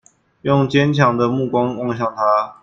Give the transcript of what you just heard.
用堅強的目光望向他